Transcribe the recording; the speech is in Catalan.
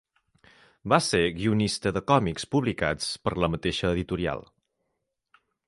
Va ser guionista de còmics publicats per la mateixa editorial.